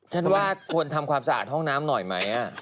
ฉันว่าควรทำความสะอาดห้องน้ำหน่อยไหม